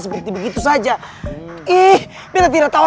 cewek yang katanya tadi lemah